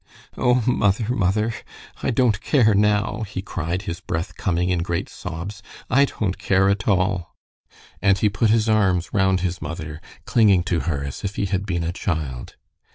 "Oh, mother, mother, I don't care now," he cried, his breath coming in great sobs. "I don't care at all." And he put his arms round his mother, clinging to her as if he had been a child.